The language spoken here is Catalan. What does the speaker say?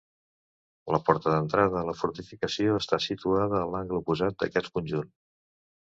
La porta d'entrada a la fortificació està situada a l'angle oposat d'aquest conjunt.